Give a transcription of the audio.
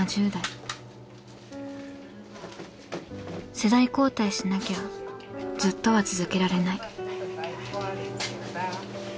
世代交代しなきゃずっとは続けられない。